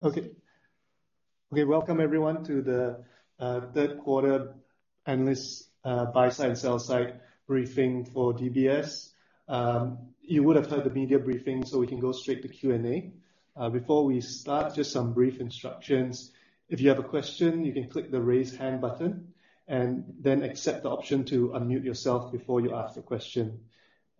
Okay. Okay, welcome everyone to the third quarter Analyst buy-side and sell-side briefing for DBS. You would have heard the media briefing, so we can go straight to Q&A. Before we start, just some brief instructions. If you have a question, you can click the raise hand button, and then accept the option to unmute yourself before you ask the question.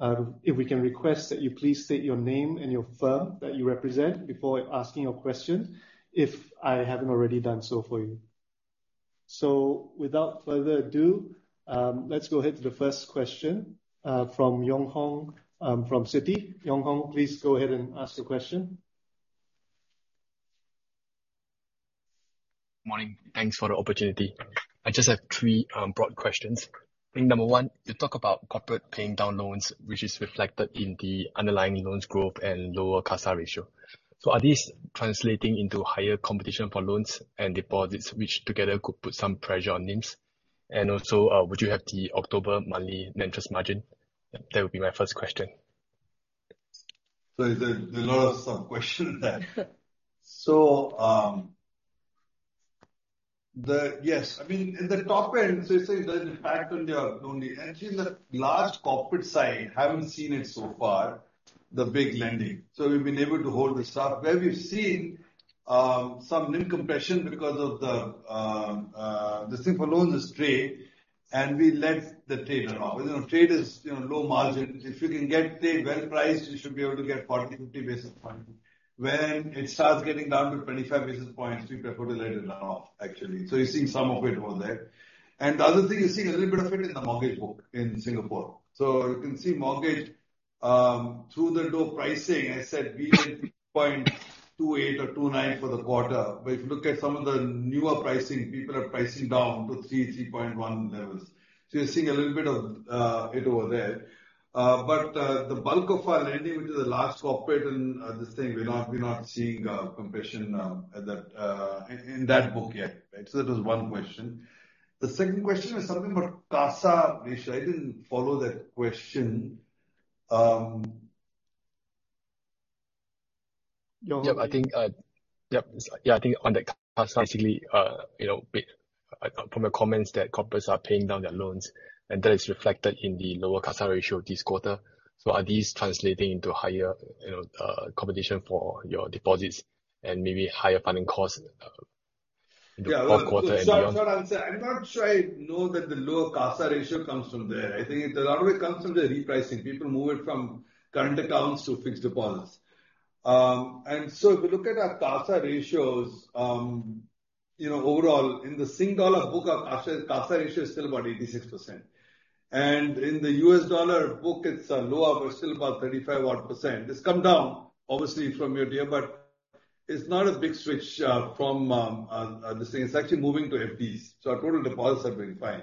If we can request that you please state your name and your firm that you represent before asking your question, if I haven't already done so for you. So without further ado, let's go ahead to the first question from Yong Hong from Citi. Yong Hong, please go ahead and ask the question. Morning. Thanks for the opportunity. I just have three, broad questions. I think number one, you talk about corporate paying down loans, which is reflected in the underlying loans growth and lower CASA ratio. So are these translating into higher competition for loans and deposits, which together could put some pressure on NIMs? And also, would you have the October monthly net interest margin? That would be my first question. So there's a lot of sub questions there. So, Yes, I mean, in the top end, so it's saying there's an impact on your loan, actually, the large corporate side, haven't seen it so far, the big lending. So we've been able to hold this up. Where we've seen some NIM compression because of the Singapore loans is trade, and we let the trader off. You know, trade is, you know, low margin. If you can get paid well priced, you should be able to get 40, 50 basis points. When it starts getting down to 25 basis points, you prefer to let it run off, actually. So you're seeing some of it over there. And the other thing, you're seeing a little bit of it in the mortgage book in Singapore. So you can see mortgage through the door pricing. I said we get 2.8 or 2.9 for the quarter. But if you look at some of the newer pricing, people are pricing down to 3.1 levels. So you're seeing a little bit of it over there. But the bulk of our lending, which is a large corporate and this thing, we're not seeing a compression in that book yet. Right, so that was one question. The second question was something about CASA ratio. I didn't follow that question. Yong Hong? Yep, I think, yep. Yeah, I think on the CASA, basically, you know, bit from your comments that corporates are paying down their loans, and that is reflected in the lower CASA ratio this quarter. So are these translating into higher, you know, competition for your deposits and maybe higher funding costs, yeah, for quarter and beyond? So I'm not sure I know that the lower CASA ratio comes from there. I think a lot of it comes from the repricing. People move it from current accounts to fixed deposits. So if you look at our CASA ratios, you know, overall in the Singapore dollar book, our CASA, CASA ratio is still about 86%. And in the U.S. dollar book, it's lower, but still about 35-odd%. It's come down, obviously, from year to year, but it's not a big switch from understanding. It's actually moving to FDs, so our total deposits are doing fine.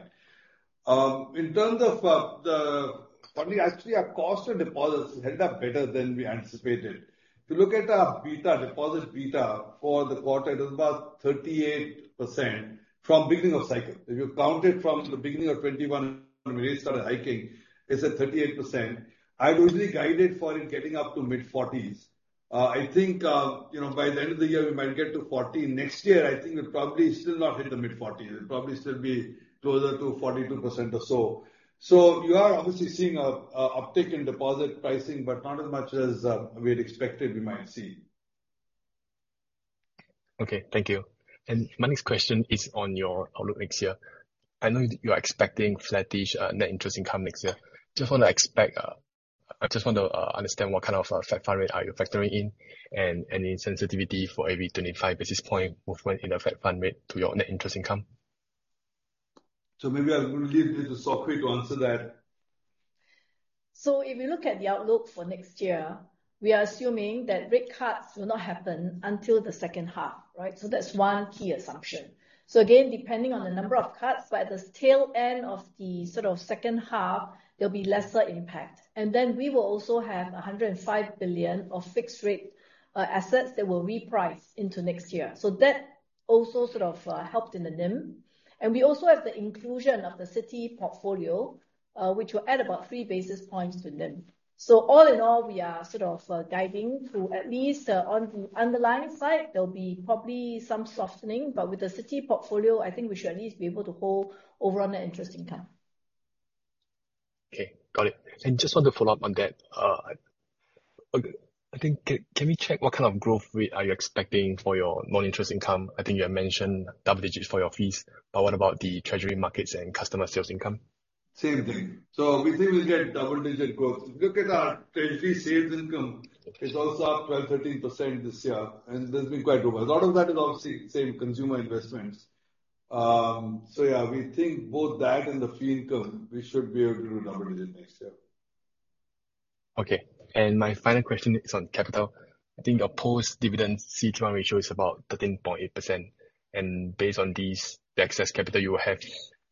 In terms of, actually, our cost of deposits held up better than we anticipated. If you look at our beta, deposit beta for the quarter, it was about 38% from beginning of cycle. If you count it from the beginning of 2021, when we started hiking, it's at 38%. I would really guide it for it getting up to mid-40s. I think, you know, by the end of the year, we might get to 40. Next year, I think we'll probably still not hit the mid-40s. It'll probably still be closer to 42% or so. So you are obviously seeing an uptick in deposit pricing, but not as much as we had expected we might see. Okay, thank you. My next question is on your outlook next year. I know you are expecting flattish net interest income next year. I just want to understand what kind of Fed funds rate are you factoring in, and any sensitivity for every 25 basis point movement in the Fed funds rate to your net interest income? Maybe I'll leave this to Sok Hui to answer that. So if you look at the outlook for next year, we are assuming that rate cuts will not happen until the second half, right? So that's one key assumption. So again, depending on the number of cuts, but at the tail end of the sort of second half, there'll be lesser impact. And then we will also have 105 billion of fixed rate assets that will reprice into next year. So that also sort of helped in the NIM. And we also have the inclusion of the Citi portfolio, which will add about three basis points to NIM. So all in all, we are sort of guiding through at least, on the underlying side, there'll be probably some softening, but with the Citi portfolio, I think we should at least be able to hold over on the interest income. Okay, got it. Just want to follow up on that. I think, can we check what kind of growth rate are you expecting for your non-interest income? I think you had mentioned double digits for your fees, but what about the treasury markets and customer sales income? Same thing. So we think we'll get double-digit growth. If you look at our treasury sales income, it's also up 12%-13% this year, and that's been quite robust. A lot of that is obviously, say, consumer investments. So yeah, we think both that and the fee income, we should be able to do double-digit next year. Okay. My final question is on capital. I think a post-dividend CET1 ratio is about 13.8%, and based on these, the excess capital you have,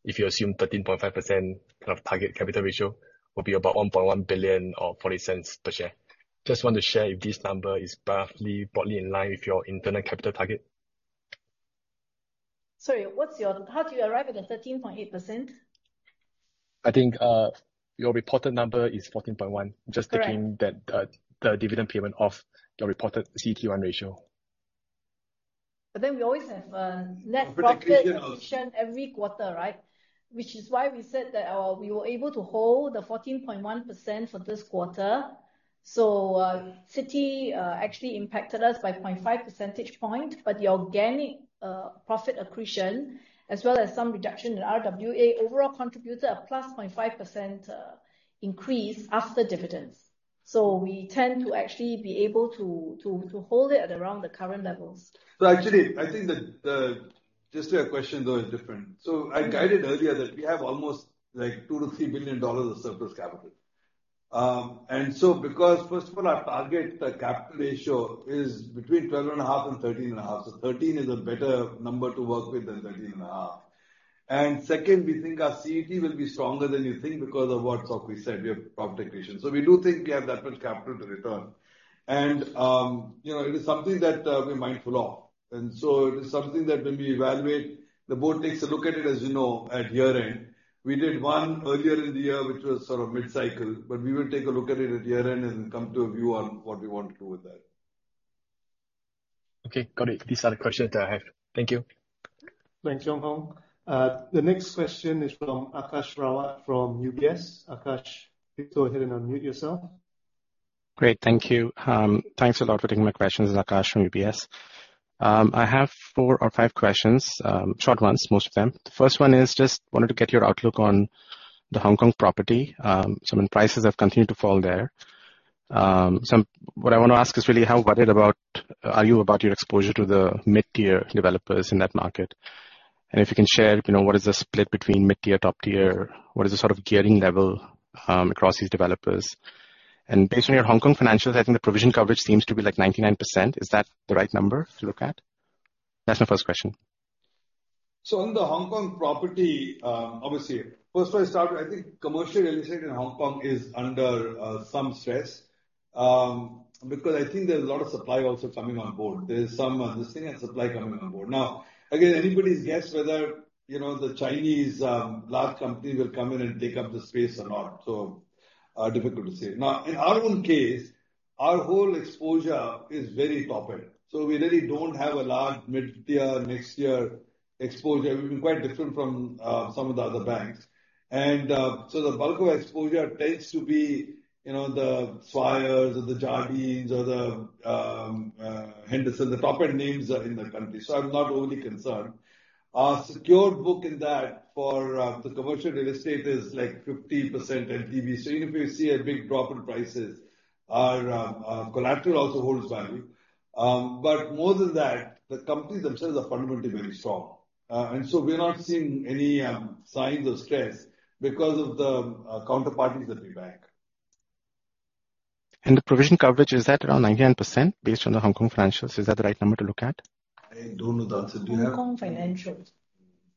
if you assume 13.5% kind of target capital ratio, will be about 1.1 billion or 0.40 per share. Just want to share if this number is roughly broadly in line with your internal capital target? Sorry, what's your, how do you arrive at the 13.8%? I think, your reported number is 14.1. Correct. Just taking that, the dividend payment off your reported CET1 ratio. But then we always have, net profit- Profit accretion Every quarter, right? Which is why we said that, we were able to hold the 14.1% for this quarter. So, Citi, actually impacted us by 0.5 percentage point, but the organic, profit accretion, as well as some reduction in RWA, overall contributed a +0.5% increase after dividends. So we tend to actually be able to hold it at around the current levels. So actually, I think that the just to your question, though, is different. So I did earlier, that we have almost, like, $2 billion-$3 billion of surplus capital. And so because first of all, our target, the capital ratio, is between 12.5 and 13.5, so 13 is a better number to work with than 13.5. And second, we think our CET will be stronger than you think because of what Sok Hui said, we have profit accretion. So we do think we have that much capital to return. And, you know, it is something that, we're mindful of. And so it is something that when we evaluate, the board takes a look at it, as you know, at year-end. We did one earlier in the year, which was sort of mid-cycle, but we will take a look at it at year-end and come to a view on what we want to do with that. Okay, got it. These are the questions that I have. Thank you. Thanks, Yong Hong. The next question is from Akash Rawat, from UBS. Aakash, please go ahead and unmute yourself. Great. Thank you. Thanks a lot for taking my questions. This is Aakash from UBS. I have four or five questions, short ones, most of them. The first one is just, wanted to get your outlook on the Hong Kong property. So when prices have continued to fall there, so what I want to ask is really how worried about are you about your exposure to the mid-tier developers in that market? And if you can share, you know, what is the split between mid-tier, top tier? What is the sort of gearing level, across these developers? And based on your Hong Kong financials, I think the provision coverage seems to be like 99%. Is that the right number to look at? That's my first question. So on the Hong Kong property, obviously, first of all, I start with, I think commercial real estate in Hong Kong is under some stress because I think there's a lot of supply also coming on board. Now, again, anybody's guess whether, you know, the Chinese large companies will come in and take up the space or not, so difficult to say. Now, in our own case, our whole exposure is very top-end, so we really don't have a large mid-tier, next-tier exposure. We've been quite different from some of the other banks. And so the bulk of exposure tends to be, you know, the Swires or the Jardines or the Henderson, the top-end counterparties, so I'm not overly concerned. Our secured book in that for the commercial real estate is like 50% LTV. So even if we see a big drop in prices, our collateral also holds value. But more than that, the companies themselves are fundamentally very strong. And so we're not seeing any signs of stress because of the counterparties that we bank. The provision coverage, is that around 99% based on the Hong Kong financials? Is that the right number to look at? I don't know the answer. Do you know? Hong Kong financials.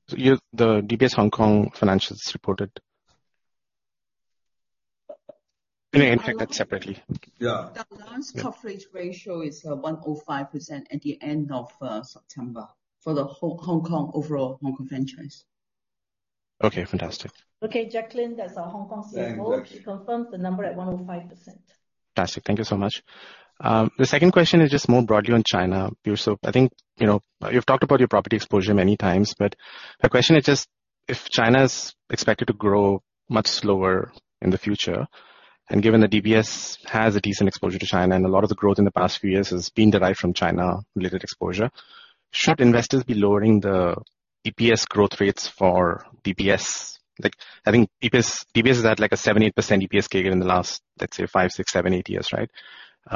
So yeah, the DBS Hong Kong financials reported. I can take that separately. Yeah. The loans coverage ratio is 105% at the end of September for the Hong Kong, overall Hong Kong franchise. Okay, fantastic. Okay, Jacqueline, that's our Hong Kong CFO. Yeah, thanks. She confirms the number at 105%. Fantastic. Thank you so much. The second question is just more broadly on China. So I think, you know, you've talked about your property exposure many times, but the question is just, if China is expected to grow much slower in the future, and given that DBS has a decent exposure to China, and a lot of the growth in the past few years has been derived from China-related exposure, should investors be lowering the EPS growth rates for DBS? Like, I think DBS, DBS is at like a 70% EPS CAGR in the last, let's say, five, six, seven, eight years, right?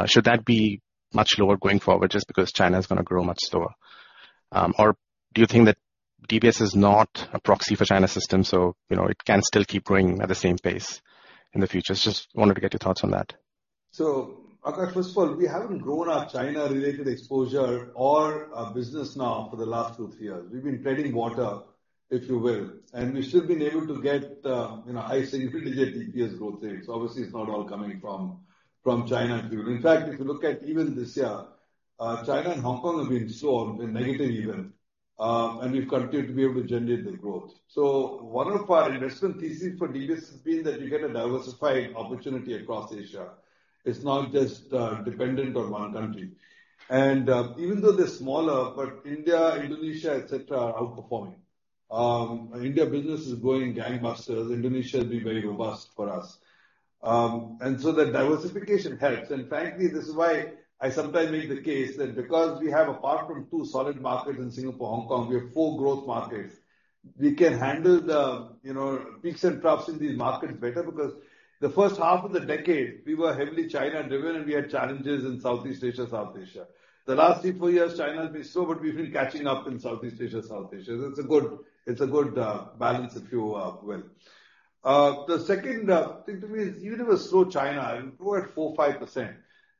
Should that be much lower going forward just because China is gonna grow much slower? Or do you think that DBS is not a proxy for China system, so, you know, it can still keep growing at the same pace in the future? Just wanted to get your thoughts on that. So Akash, first of all, we haven't grown our China-related exposure or our business now for the last 2-3 years. We've been treading water, if you will, and we've still been able to get, you know, high single-digit EPS growth rates. Obviously, it's not all coming from China. In fact, if you look at even this year, China and Hong Kong have been slow and negative even, and we've continued to be able to generate the growth. So one of our investment thesis for DBS has been that you get a diversified opportunity across Asia. It's not just dependent on one country. And even though they're smaller, but India, Indonesia, et cetera, are outperforming. India business is growing gangbusters. Indonesia has been very robust for us. And so the diversification helps. And frankly, this is why I sometimes make the case that because we have, apart from two solid markets in Singapore, Hong Kong, we have four growth markets. We can handle the, you know, peaks and troughs in these markets better because the first half of the decade we were heavily China-driven, and we had challenges in Southeast Asia, South Asia. The last three, four years, China has been slow, but we've been catching up in Southeast Asia, South Asia. It's a good, it's a good balance, if you will. The second thing to me is even if we slow China and grow at 4%-5%,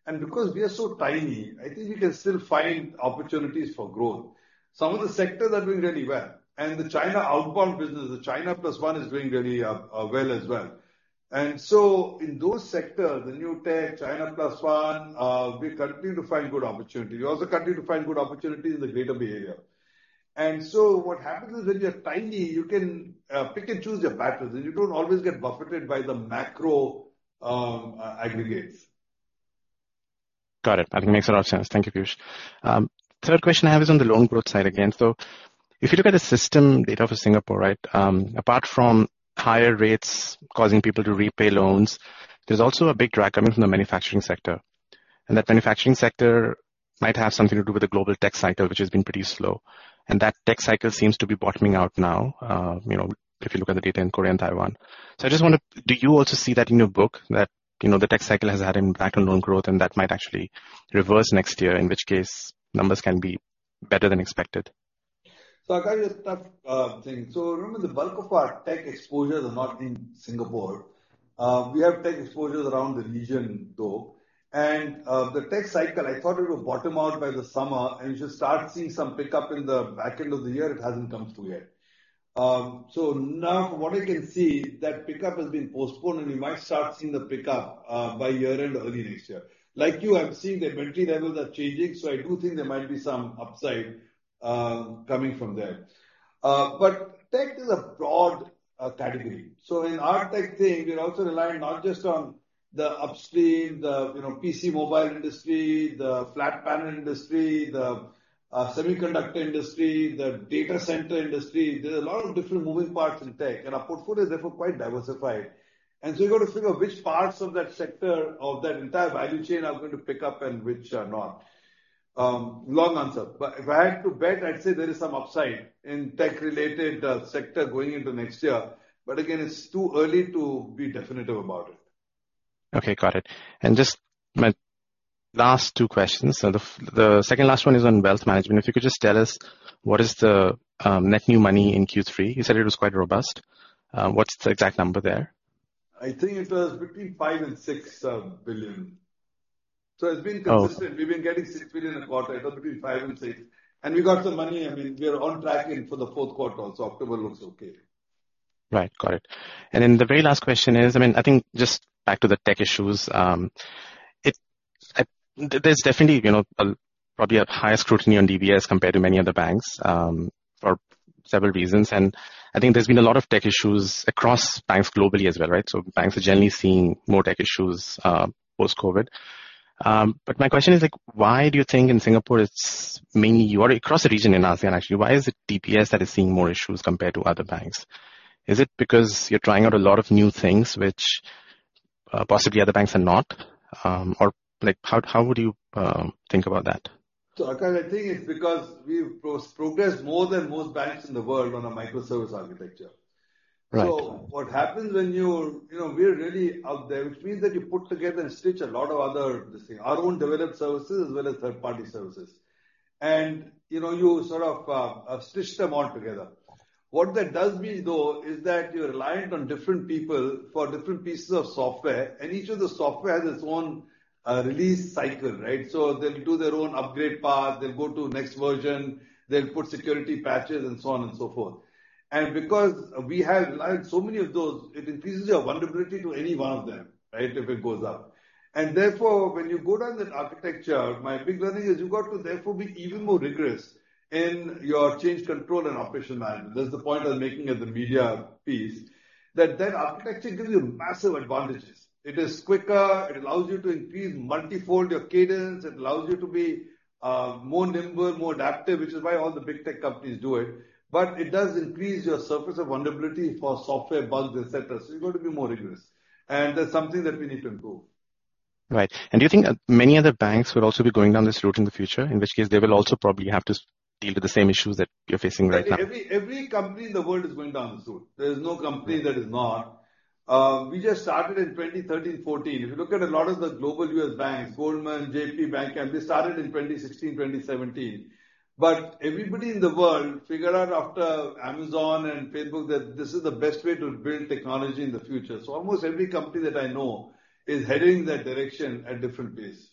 and because we are so tiny, I think we can still find opportunities for growth. Some of the sectors are doing really well, and the China outbound business, the China plus one, is doing really well as well. And so in those sectors, the new tech, China plus one, we continue to find good opportunities. We also continue to find good opportunities in the Greater Bay Area. And so what happens is, when you're tiny, you can pick and choose your battles, and you don't always get buffeted by the macro aggregates. Got it. I think it makes a lot of sense. Thank you, Piyush. Third question I have is on the loan growth side again. So if you look at the system data for Singapore, right, apart from higher rates causing people to repay loans, there's also a big drag coming from the manufacturing sector. And that manufacturing sector might have something to do with the global tech cycle, which has been pretty slow, and that tech cycle seems to be bottoming out now, you know, if you look at the data in Korea and Taiwan. So I just wonder, do you also see that in your book, that, you know, the tech cycle has had an impact on loan growth and that might actually reverse next year, in which case numbers can be better than expected? So, Aakash, it's a tough thing. So remember, the bulk of our tech exposures are not in Singapore. We have tech exposures around the region, though. And the tech cycle, I thought it would bottom out by the summer, and you should start seeing some pickup in the back end of the year. It hasn't come through yet. So now from what I can see, that pickup has been postponed, and we might start seeing the pickup by year-end, early next year. Like you, I'm seeing the inventory levels are changing, so I do think there might be some upside coming from there. But tech is a broad category. So in our tech thing, we're also relying not just on the upstream, the, you know, PC, mobile industry, the flat panel industry, the semiconductor industry, the data center industry. There's a lot of different moving parts in tech, and our portfolio is therefore quite diversified. And so you've got to figure out which parts of that sector or that entire value chain are going to pick up and which are not. Long answer, but if I had to bet, I'd say there is some upside in tech-related, sector going into next year. But again, it's too early to be definitive about it. Okay, got it. Just my last two questions. The second last one is on wealth management. If you could just tell us what is the net new money in Q3? You said it was quite robust. What's the exact number there? I think it was between 5 billion and 6 billion. Oh. So it's been consistent. We've been getting 6 billion a quarter, or between 5 billion and 6 billion. And we got some money. I mean, we are on track in for the fourth quarter, so October looks okay. Right. Got it. And then the very last question is, I mean, I think just back to the tech issues, it. I, there's definitely, you know, probably a higher scrutiny on DBS compared to many other banks, for several reasons. And I think there's been a lot of tech issues across banks globally as well, right? So banks are generally seeing more tech issues, post-COVID. But my question is, like, why do you think in Singapore it's mainly you? Or across the region in ASEAN, actually, why is it DBS that is seeing more issues compared to other banks? Is it because you're trying out a lot of new things which, possibly other banks are not? Or, like, how would you think about that? Aakash, I think it's because we've progressed more than most banks in the world on a microservice architecture. Right. So what happens when you're... You know, we are really out there, which means that you put together and stitch a lot of other things, our own developed services as well as third-party services. And, you know, you sort of, stitch them all together. What that does mean, though, is that you're reliant on different people for different pieces of software, and each of the software has its own, release cycle, right? So they'll do their own upgrade path, they'll go to the next version, they'll put security patches and so on and so forth. And because we have relied so many of those, it increases your vulnerability to any one of them, right, if it goes up. And therefore, when you go down that architecture, my big learning is you've got to therefore be even more rigorous in your change, control and operation management. That's the point I'm making at the media piece, that that architecture gives you massive advantages. It is quicker, it allows you to increase multifold your cadence, it allows you to be, more nimble, more adaptive, which is why all the big tech companies do it. But it does increase your surface of vulnerability for software bugs, et cetera, so you've got to be more rigorous. And that's something that we need to improve. Right. Do you think many other banks will also be going down this route in the future, in which case they will also probably have to deal with the same issues that you're facing right now? Every, every company in the world is going down this route. There is no company that is not. We just started in 2013, 2014. If you look at a lot of the global US Banks, Goldman, JPMorgan, they started in 2016, 2017. But everybody in the world figured out after Amazon and Facebook that this is the best way to build technology in the future. So almost every company that I know is heading in that direction at different pace.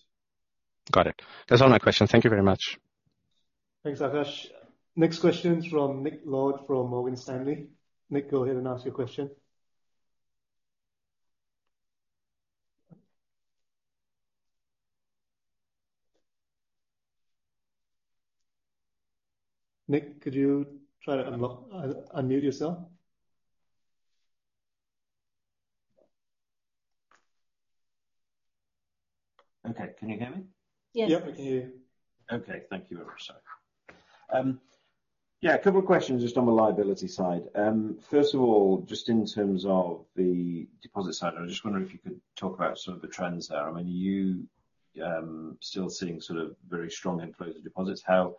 Got it. That's all my questions. Thank you very much. Thanks, Aakash. Next question from Nick Lord, from Morgan Stanley. Nick, go ahead and ask your question. Nick, could you try to unlock, unmute yourself? Okay. Can you hear me? Yes. Yep, we can hear you. Okay. Thank you very much. Yeah, a couple of questions just on the liability side. First of all, just in terms of the deposit side, I just wonder if you could talk about some of the trends there. I mean, are you still seeing sort of very strong inflows of deposits? How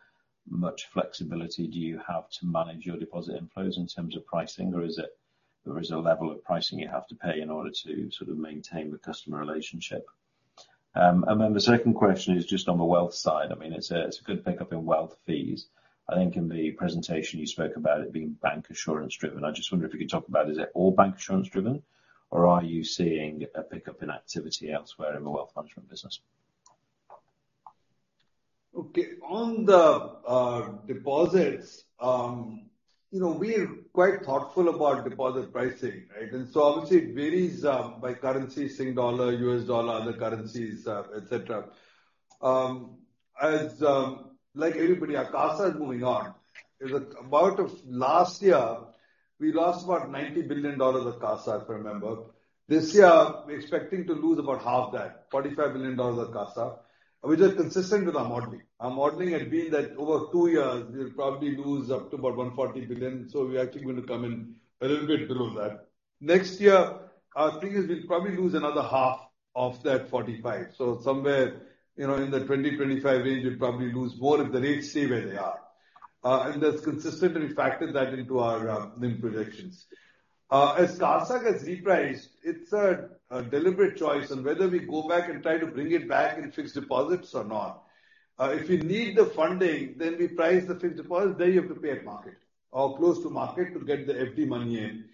much flexibility do you have to manage your deposit inflows in terms of pricing, or is there a level of pricing you have to pay in order to sort of maintain the customer relationship? And then the second question is just on the wealth side. I mean, it's a good pickup in wealth fees. I think in the presentation you spoke about it being bancassurance driven. I just wonder if you could talk about, is it all bancassurance driven, or are you seeing a pickup in activity elsewhere in the wealth management business? Okay, on the deposits, you know, we're quite thoughtful about deposit pricing, right? And so obviously it varies by currency, Singapore dollar, U.S. dollar, other currencies, et cetera. As like everybody, our CASA is moving on. About last year, we lost about 90 billion dollars of CASA, if I remember. This year, we're expecting to lose about half that, 45 billion dollars of CASA, which is consistent with our modeling. Our modeling had been that over two years, we'll probably lose up to about 140 billion, so we're actually going to come in a little bit below that. Next year, our thing is we'll probably lose another half of that 45. So somewhere, you know, in the 20-25 range, we'll probably lose more if the rates stay where they are. And that's consistent, and we factored that into our NIM projections. As CASA gets repriced, it's a deliberate choice on whether we go back and try to bring it back in fixed deposits or not. If we need the funding, then we price the fixed deposit, then you have to pay at market or close to market to get the FD money in.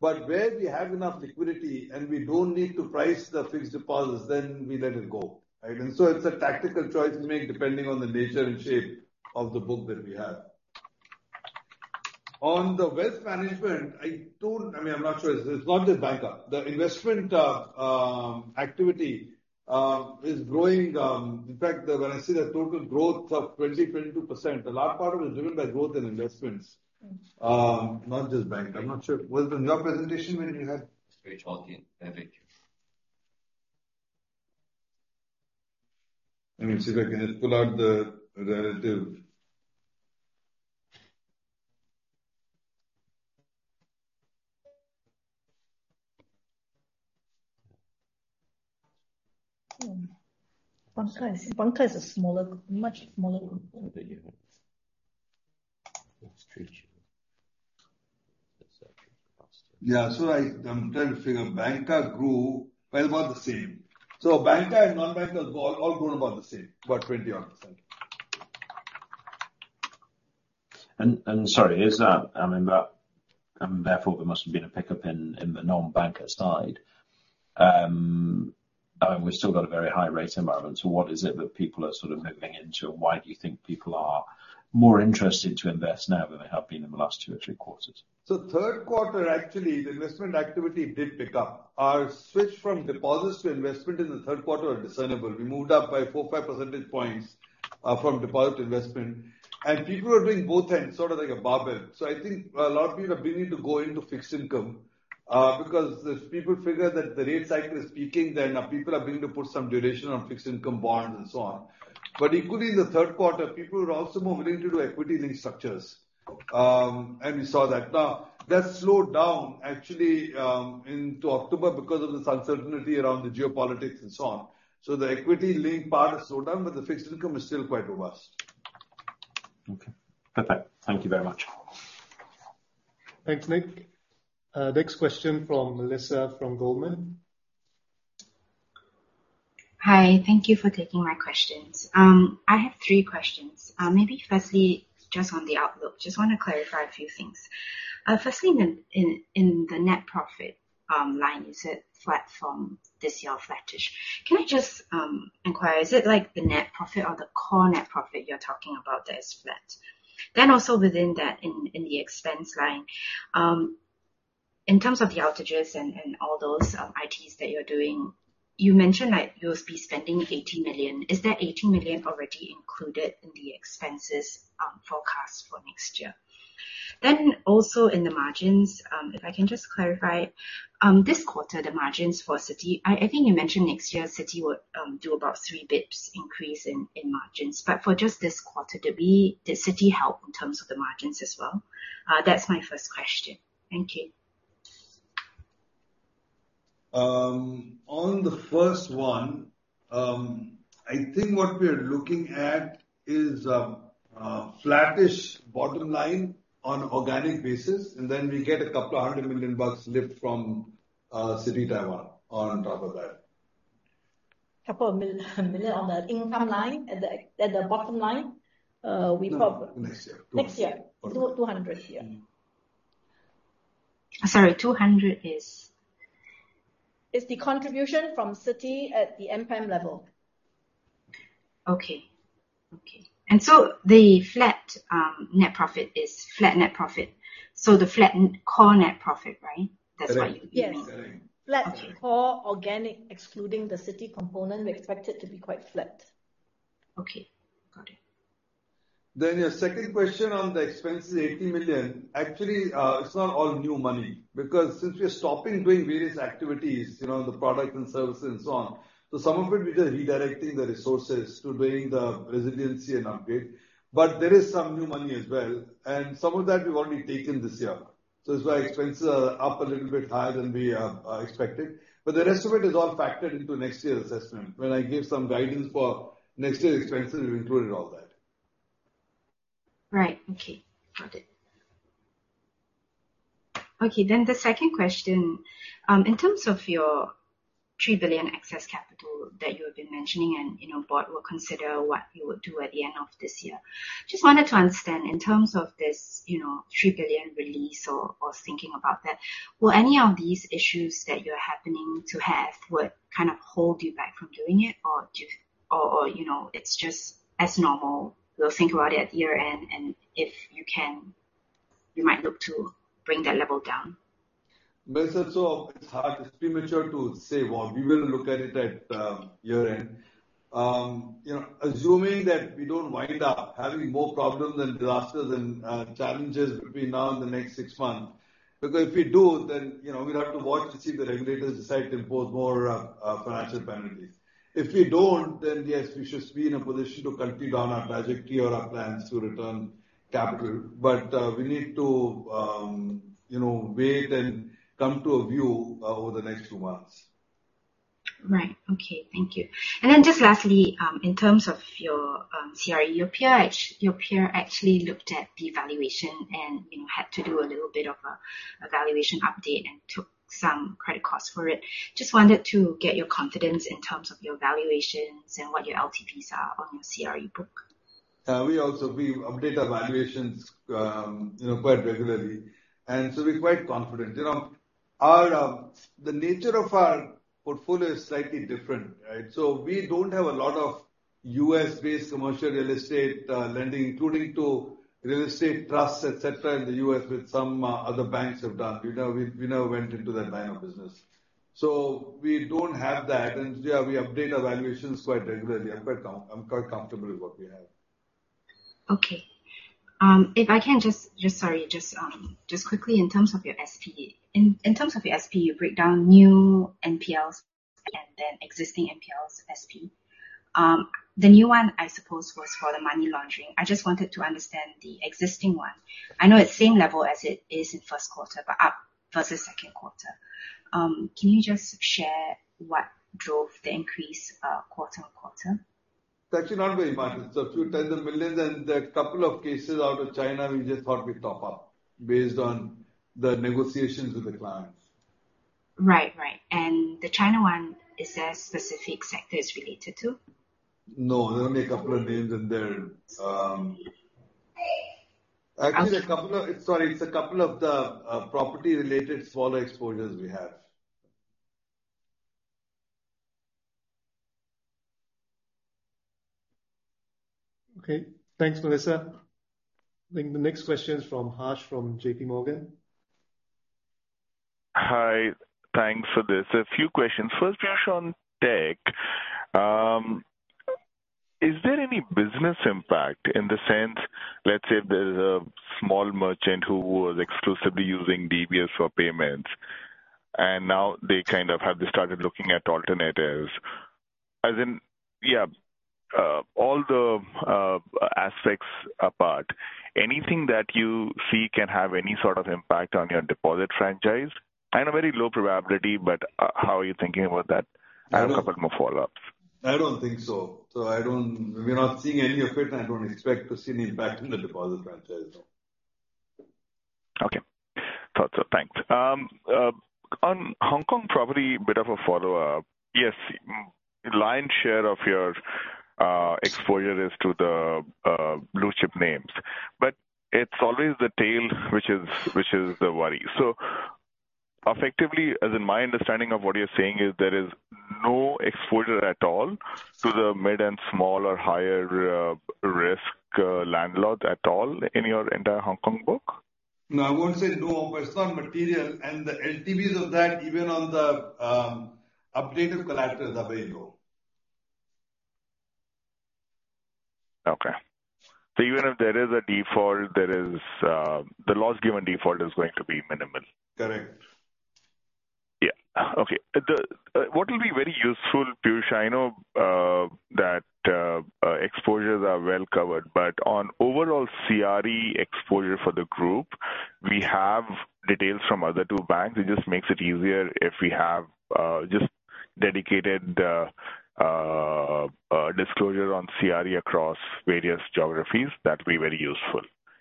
But where we have enough liquidity and we don't need to price the fixed deposits, then we let it go, right? And so it's a tactical choice we make depending on the nature and shape of the book that we have. On the wealth management, I told... I mean, I'm not sure. It's not just Banca. The investment activity is growing. In fact, when I see the total growth of 22%, a lot part of it is driven by growth in investments, not just bank. I'm not sure. Was there another presentation where you have? Straight talking. Thank you. Let me see if I can just pull out the relative... Banker is a smaller, much smaller group. Yeah. Let's reach. Yeah, so I, trying to figure banker grew, well, about the same. So banker and non-banker all grown about the same, about 20-odd%. Sorry, is that, I mean, that therefore there must have been a pickup in the non-banker side. I mean, we've still got a very high rate environment, so what is it that people are sort of moving into, and why do you think people are more interested to invest now than they have been in the last two or three quarters? So third quarter, actually, the investment activity did pick up. Our switch from deposits to investment in the third quarter are discernible. We moved up by 4-5 percentage points from deposit investment. And people are doing both ends, sort of like a barbell. So I think a lot of people are beginning to go into fixed income because these people figure that the rate cycle is peaking, then people are beginning to put some duration on fixed income bonds and so on. But equally in the third quarter, people were also moving into the equity-linked structures. And we saw that. Now, that slowed down actually into October because of this uncertainty around the geopolitics and so on. So the equity link part is slowed down, but the fixed income is still quite robust. Okay, perfect. Thank you very much. Thanks, Nick. Next question from Melissa, from Goldman. Hi, thank you for taking my questions. I have three questions. Maybe firstly, just on the outlook, just want to clarify a few things. Firstly, in the net profit line, you said flat from this year, flattish. Can you just inquire, is it like the net profit or the core net profit you're talking about that is flat? Then also within that, in the expense line, in terms of the outages and all those ITs that you're doing, you mentioned that you'll be spending 80 million. Is that 80 million already included in the expenses forecast for next year? Then also in the margins, if I can just clarify. This quarter, the margins for Citi, I think you mentioned next year Citi will do about three bits increase in margins. But for just this quarter, did Citi help in terms of the margins as well? That's my first question. Thank you. On the first one, I think what we are looking at is a flattish bottom line on organic basis, and then we get a couple of hundred million bucks lift from Citi Taiwan on top of that. Couple of million on the income line, at the bottom line, we- No, next year. Next year. Mm-hmm. 200 here. Sorry, 200 is? Is the contribution from Citi at the NPAT level? Okay. Okay. And so the flat, net profit is flat net profit, so the flat core net profit, right? That's what you mean. Yes. Correct. Okay. Flat core organic, excluding the Citi component, we expect it to be quite flat. Okay, got it. Then your second question on the expenses, 80 million. Actually, it's not all new money, because since we are stopping doing various activities, you know, the products and services and so on, so some of it we are redirecting the resources to doing the resiliency and upgrade. But there is some new money as well, and some of that we've already taken this year. So that's why expenses are up a little bit higher than we expected. But the rest of it is all factored into next year's assessment. When I give some guidance for next year's expenses, we've included all that. Right. Okay, got it. Okay, then the second question. In terms of your 3 billion excess capital that you have been mentioning, and, you know, board will consider what you will do at the end of this year. Just wanted to understand, in terms of this, you know, 3 billion release or, or, thinking about that, will any of these issues that you're happening to have would kind of hold you back from doing it? Or do you, or, you know, it's just as normal, we'll think about it at year-end, and you might look to bring that level down? Melissa, so it's hard, it's premature to say what. We will look at it at year-end. You know, assuming that we don't wind up having more problems and disasters and challenges between now and the next six months, because if we do, then, you know, we'd have to watch to see the regulators decide to impose more financial penalties. If we don't, then, yes, we should be in a position to continue on our trajectory or our plans to return capital. But, we need to you know, wait and come to a view over the next two months. Right. Okay, thank you. And then just lastly, in terms of your CRE, your peer actually looked at the valuation and, you know, had to do a little bit of a valuation update and took some credit costs for it. Just wanted to get your confidence in terms of your valuations and what your LTVs are on your CRE book. We also, we update our valuations, you know, quite regularly, and so we're quite confident. You know, our, the nature of our portfolio is slightly different, right? So we don't have a lot of U.S.-based commercial real estate, lending, including to real estate trusts, et cetera, in the U.S. with some, other banks have done. We never went into that line of business. So we don't have that, and, yeah, we update our valuations quite regularly. I'm quite comfortable with what we have. Okay. If I can just quickly, in terms of your SP. In terms of your SP, you break down new NPLs and then existing NPLs SPE. The new one, I suppose, was for the money laundering. I just wanted to understand the existing one. I know it's same level as it is in first quarter, but up versus second quarter. Can you just share what drove the increase, quarter on quarter? It's actually not very much. It's a few tens of millions SGD and a couple of cases out of China we just thought we'd top up based on the negotiations with the clients. Right. Right. And the China one, is there specific sectors related to? No, there are only a couple of names in there. Actually, a couple of... Sorry, it's a couple of the property-related smaller exposures we have. Okay. Thanks, Melissa. I think the next question is from Harsh, from JPMorgan. Hi, thanks for this. A few questions. First question on tech. Is there any business impact in the sense, let's say there's a small merchant who was exclusively using DBS for payments, and now they kind of have started looking at alternatives? As in, yeah, all the aspects apart, anything that you see can have any sort of impact on your deposit franchise? I know very low probability, but how are you thinking about that? I have a couple more follow-ups. I don't think so. We're not seeing any of it, and I don't expect to see any impact in the deposit franchise, no. Okay. Gotcha. Thanks. On Hong Kong property, bit of a follow-up. Yes, lion's share of your exposure is to the blue chip names, but it's always the tail which is, which is the worry. So effectively, as in my understanding of what you're saying, is there is no exposure at all to the mid and small or higher risk landlords at all in your entire Hong Kong book? No, I wouldn't say no, but it's not material. And the LTVs of that, even on the updated collaterals, are very low. Okay. So even if there is a default, there is, the loss given default is going to be minimal? Correct. Yeah. Okay. What will be very useful, Piyush, I know that exposures are well covered, but on overall CRE exposure for the group, we have details from other two banks. It just makes it easier if we have just dedicated disclosure on CRE across various geographies. That'd be very useful,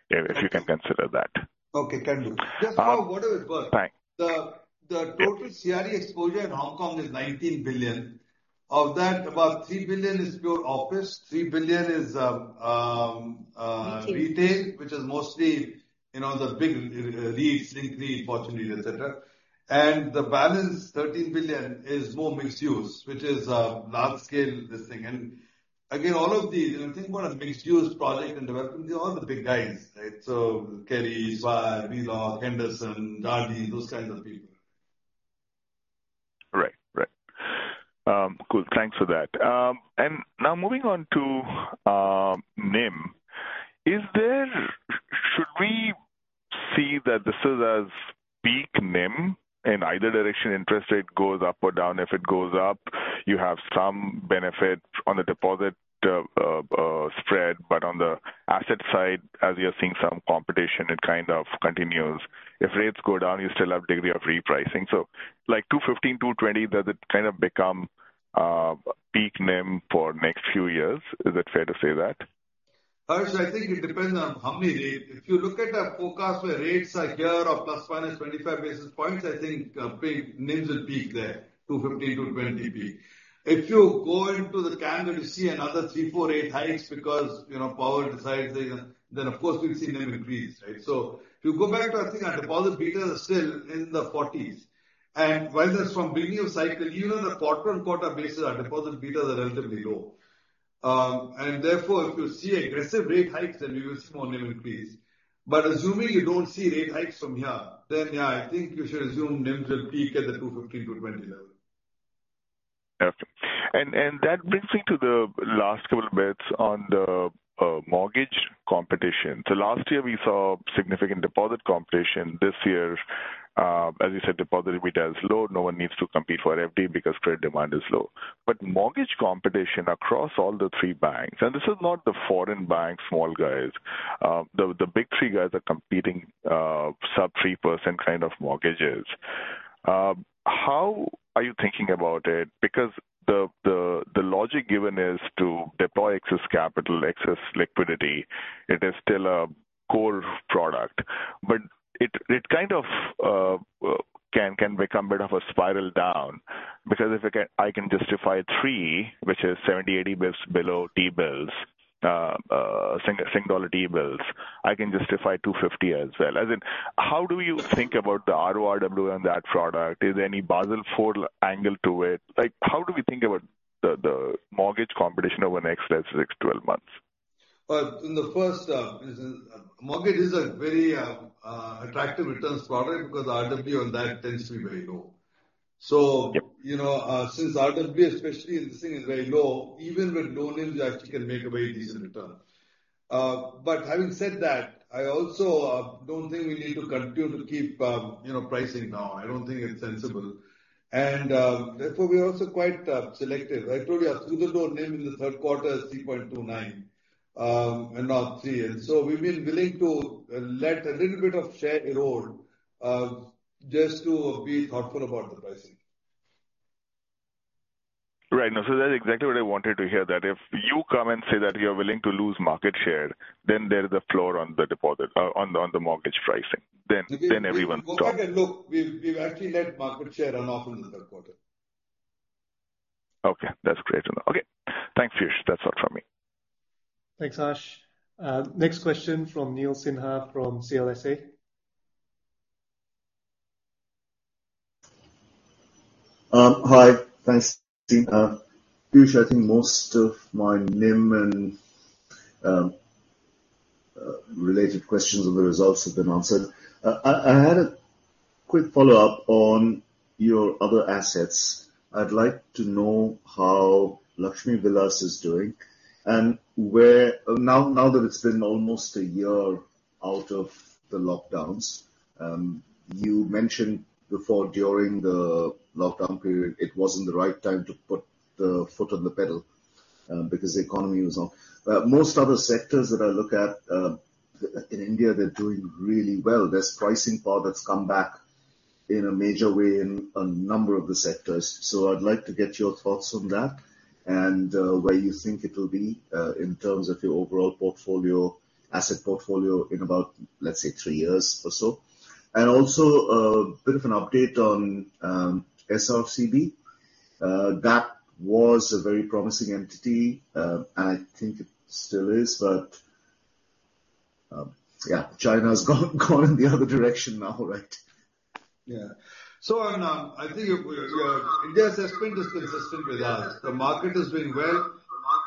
if you can consider that. Okay, can do. Um- Just for what it is worth- Thanks. The total CRE exposure in Hong Kong is 19 billion. Of that, about 3 billion is pure office, 3 billion is Retail. retail, which is mostly, you know, the big REITs, Link REIT, Fortune REIT, et cetera. And the balance, 13 billion, is more mixed-use, which is large scale, this thing. And again, all of these, when you think about a mixed-use project and development, they're all the big guys, right? So Kerry, Swire, Milang, Henderson, Jardine, those kinds of people. Right. Right. Good, thanks for that. Now moving on to NIM. Should we see that this is peak NIM in either direction, interest rate goes up or down? If it goes up, you have some benefit on the deposit spread, but on the asset side, as you're seeing some competition, it kind of continues. If rates go down, you still have degree of repricing. So like 2.15, 2.20, does it kind of become peak NIM for next few years? Is it fair to say that? Harsh, I think it depends on how many rates. If you look at our forecast, where rates are here of ±25 basis points, I think peak NIMs will peak there, 2.15%, 2.20% peak. If you go into the calendar, you see another three to four rate hikes, because, you know, Powell decides they're gonna, then, of course, we'll see NIM increase, right? So if you go back to, I think, our deposit beta is still in the 40s, and whether it's from beginning of cycle, even on a quarter-on-quarter basis, our deposit betas are relatively low. And therefore, if you see aggressive rate hikes, then you will see more NIM increase. But assuming you don't see rate hikes from here, then yeah, I think you should assume NIMs will peak at the 2.15%-2.20% level. Okay. And that brings me to the last couple of bits on the mortgage competition. So last year we saw significant deposit competition. This year, as you said, deposit beta is low. No one needs to compete for FD because credit demand is low. But mortgage competition across all the three banks, and this is not the foreign banks small guys, the big three guys are competing, sub-3% kind of mortgages. How are you thinking about it? Because the logic given is to deploy excess capital, excess liquidity. It is still a core product. But it kind of can become bit of a spiral down, because if I can justify three, which is 70-80 basis points below T-bills, Singapore dollar T-bills, I can justify 2.50 as well. As in, how do you think about the RORW on that product? Is there any Basel IV angle to it? Like, how do we think about the mortgage competition over the next, let's say, 6-12 months? Well, first, mortgage is a very attractive returns product because RWA on that tends to be very low. So, you know, since RWA, especially in this thing, is very low, even with low NIM, we actually can make a very decent return. But having said that, I also don't think we need to continue to keep, you know, pricing now. I don't think it's sensible. Therefore, we're also quite selective. I told you our student loan NIM in the third quarter is 3.29, and not 3. And so we've been willing to let a little bit of share erode, just to be thoughtful about the pricing. Right. No, so that's exactly what I wanted to hear, that if you come and say that you're willing to lose market share, then there's a floor on the deposit, on the mortgage pricing, then everyone's talked. Go back and look, we've actually led market share on offer in the third quarter. Okay, that's great to know. Okay. Thanks, Piyush. That's all from me. Thanks, Ash. Next question from Neil Sinha from CLSA. Hi. Thanks, Neil. Piyush, I think most of my NIM and related questions on the results have been answered. I had a quick follow-up on your other assets. I'd like to know how Lakshmi Vilas is doing and where. Now that it's been almost a year out of the lockdowns, you mentioned before, during the lockdown period, it wasn't the right time to put the foot on the pedal because the economy was off. Most other sectors that I look at in India, they're doing really well. There's pricing power that's come back in a major way in a number of the sectors. So I'd like to get your thoughts on that and where you think it will be in terms of your overall portfolio, asset portfolio, in about, let's say, three years or so. And also, bit of an update on SRCB. That was a very promising entity. I think it still is, but yeah, China's gone, gone in the other direction now, right? Yeah. So, I think your India assessment is consistent with ours. The market is doing well,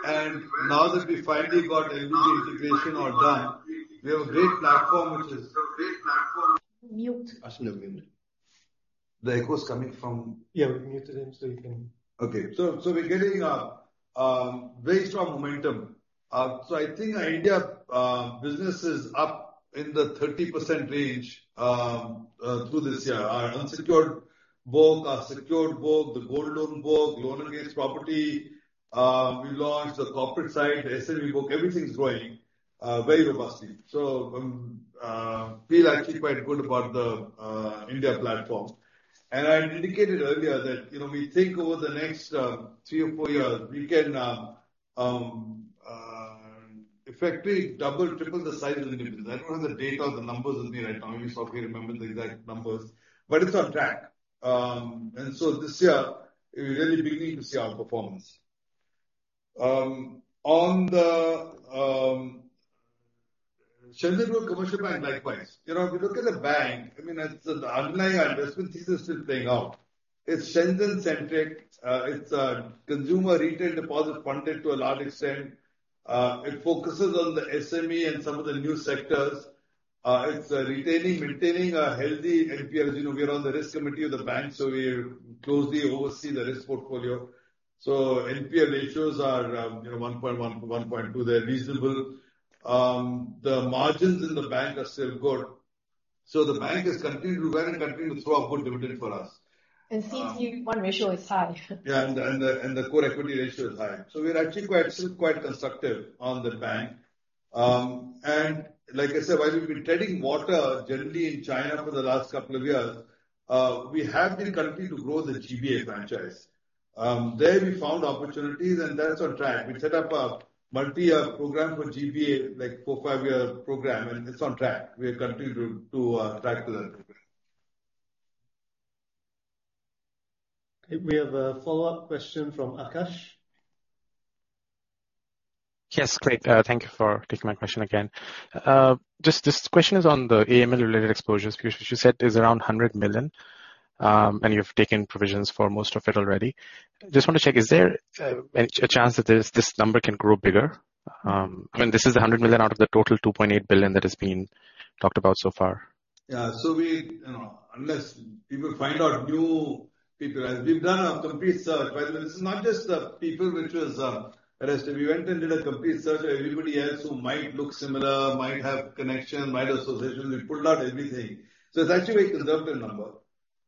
and now that we finally got LVB integration all done, we have a great platform, which is- Mute. The echo is coming from? Yeah, we muted him, so you can. Okay. We're getting very strong momentum. I think our India business is up in the 30% range through this year. Our unsecured book, our secured book, the gold loan book, loan against property, we launched the corporate side, the SME book, everything is growing very vigorously. So, feel actually quite good about the India platform. And I indicated earlier that, you know, we think over the next three or four years, we can effectively double, triple the size of the business. I don't have the data or the numbers with me right now. I may softly remember the exact numbers, but it's on track. And so this year, we really beginning to see our performance. On the Shenzhen Rural Commercial Bank, likewise. You know, if you look at the bank, I mean, as the underlying investment thesis is playing out, it's Shenzhen centric, it's a consumer retail deposit funded to a large extent. It focuses on the SME and some of the new sectors. It's retaining, maintaining a healthy NPLs. You know, we are on the risk committee of the bank, so we closely oversee the risk portfolio. So NPL ratios are, you know, 1.1-1.2. They're reasonable. The margins in the bank are still good. So the bank has continued to run and continue to throw up good dividend for us. CET1 ratio is high. Yeah, and the core equity ratio is high. So we're actually quite still quite constructive on the bank. And like I said, while we've been treading water generally in China for the last couple of years, we have been continuing to grow the GBA franchise. There we found opportunities, and that's on track. We set up a multi-year program for GBA, like 4-5-year program, and it's on track. We are continuing to track with that program. Okay, we have a follow-up question from Aakash? Yes, great. Thank you for taking my question again. Just this question is on the AML-related exposures, which you said is around 100 million, and you've taken provisions for most of it already. Just want to check, is there any a chance that this, this number can grow bigger? I mean, this is the 100 million out of the total 2.8 billion that has been talked about so far. Yeah. So we, you know, unless people find out new people as we've done a complete search. But this is not just the people which was arrested. We went and did a complete search of everybody else who might look similar, might have connection, might have association. We pulled out everything. So it's actually a conservative number.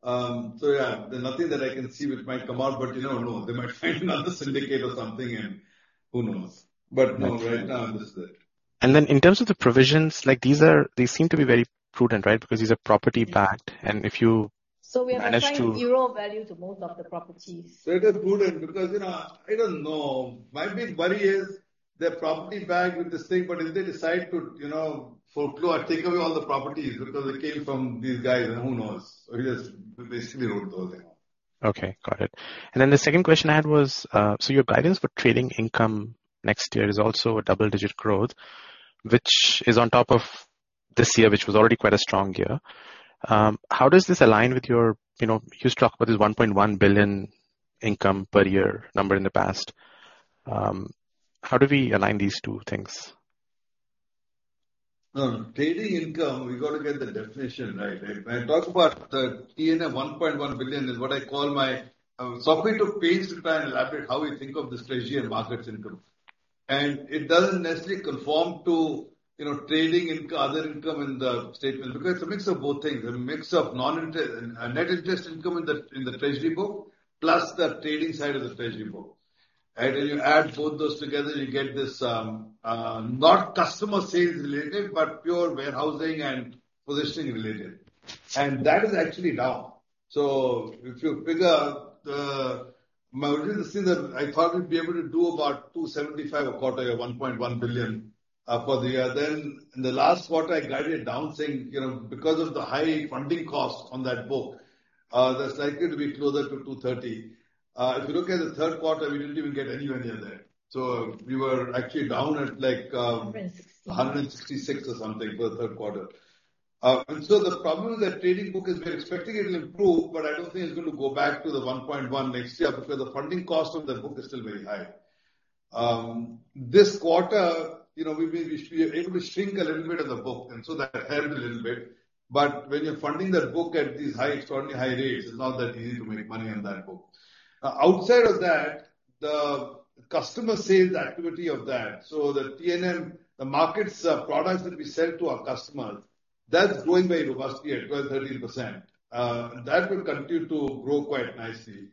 So yeah, there's nothing that I can see which might come out, but you don't know. They might find another syndicate or something and who knows? But no, right now, I'm just there. In terms of the provisions, like, these are-- they seem to be very prudent, right? Because these are property backed, and if you manage to- We assign zero value to most of the properties. So it is prudent because, you know, I don't know. My big worry is, they're property backed with this thing, but if they decide to, you know, foreclose or take away all the properties because they came from these guys, then who knows? So we just basically wrote those off. Okay, got it. And then the second question I had was, so your guidance for trading income next year is also a double-digit growth, which is on top of this year, which was already quite a strong year. How does this align with your... You know, you talked about this 1.1 billion income per year number in the past. How do we align these two things? No, trading income, we've got to get the definition right. When I talk about the T&M 1.1 billion, is what I call my somebody to take the time and elaborate how we think of this treasury and markets income. And it doesn't necessarily conform to, you know, trading income, other income in the statement, because it's a mix of both things. A mix of non-interest and net interest income in the treasury book, plus the trading side of the treasury book. Right? When you add both those together, you get this, not customer sales related, but pure warehousing and positioning related. And that is actually down. So if you figure my original guidance, I thought we'd be able to do about 275 million a quarter, or 1.1 billion for the year. Then in the last quarter, I guided it down, saying, "You know, because of the high funding costs on that book, that's likely to be closer to 2.30." If you look at the third quarter, we didn't even get anywhere near there. So we were actually down at, like, 160. 166 or something for the third quarter. And so the problem with that trading book is we're expecting it to improve, but I don't think it's going to go back to the 1.1 next year, because the funding cost of that book is still very high. This quarter, you know, we are able to shrink a little bit of the book, and so that helped a little bit. But when you're funding that book at these high, extraordinary high rates, it's not that easy to make money on that book. Outside of that, the customer sales activity of that, so the PNL, the markets products that we sell to our customers, that's growing very robustly at 12%-13%. And that will continue to grow quite nicely.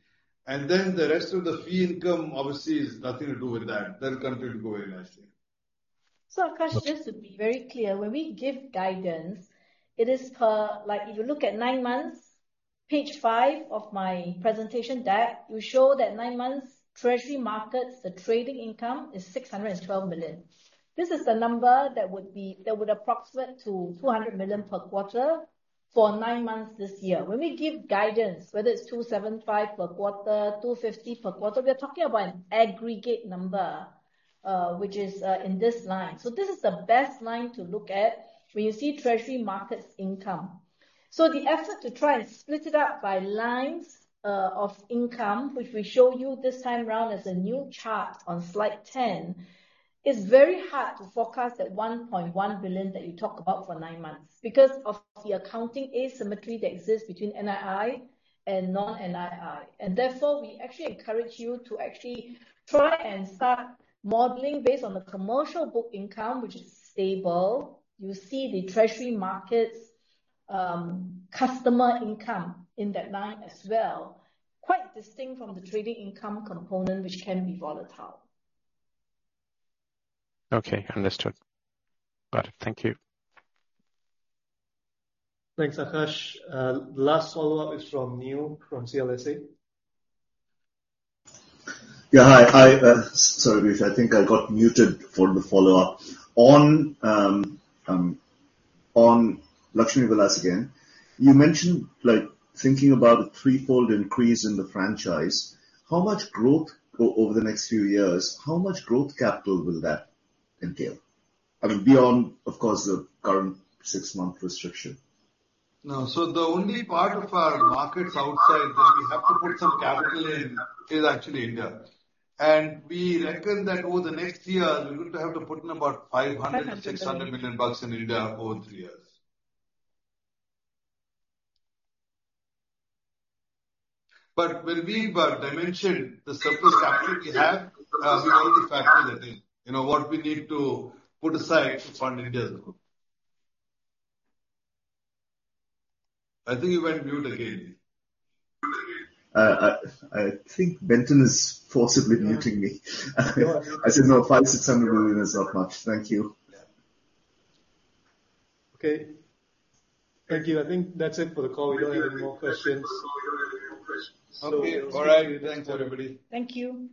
And then, the rest of the fee income obviously has nothing to do with that. That will continue to grow very nicely. So, Aakash, just to be very clear, when we give guidance, it is... Like, if you look at nine months, page 5 of my presentation deck, we show that nine months treasury markets, the trading income is 612 million. This is the number that would be... That would approximate to 200 million per quarter for nine months this year. When we give guidance, whether it's 275 million per quarter, 250 million per quarter, we are talking about an aggregate number, which is, in this line. So this is the best line to look at when you see treasury markets income. So the effort to try and split it up by lines of income, which we show you this time around, as a new chart on slide 10, it's very hard to forecast that 1.1 billion that you talk about for nine months, because of the accounting asymmetry that exists between NII and non-NII. And therefore, we actually encourage you to actually try and start modeling based on the commercial book income, which is stable. You see the treasury markets customer income in that line as well, quite distinct from the trading income component, which can be volatile. Okay, understood. Got it. Thank you. Thanks, Aakash. Last follow-up is from Neil, from CLSA. Yeah, hi. Hi, sorry, I think I got muted for the follow-up. On Lakshmi Vilas again, you mentioned, like, thinking about a threefold increase in the franchise. How much growth over the next few years, how much growth capital will that entail? I mean, beyond, of course, the current six-month restriction. No. So the only part of our markets outside that we have to put some capital in is actually India. And we reckon that over the next three years, we're going to have to put in about $500 million-$600 million in India over three years. But when we dimensioned the surplus capital we have, we only factor that in, you know, what we need to put aside to fund India's group. I think you went mute again. I think Benton is forcibly muting me. I said no, 500 million-600 million is not much. Thank you. Okay. Thank you. I think that's it for the call. We don't have any more questions. Okay. All right. Thanks, everybody. Thank you.